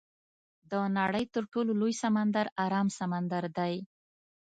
د نړۍ تر ټولو لوی سمندر ارام سمندر دی.